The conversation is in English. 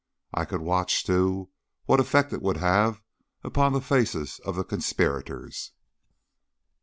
I could watch, too, what effect it would have upon the faces of the conspirators.